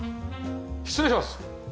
失礼します！